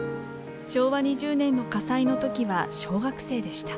昭和２０年の火災の時は小学生でした。